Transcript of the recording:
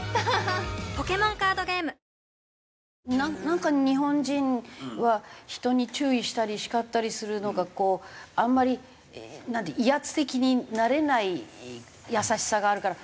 なんか日本人は人に注意したり叱ったりするのがあんまり威圧的になれない優しさがあるから。